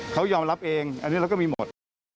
เขายอมรับเองอันนี้เราก็มีหมด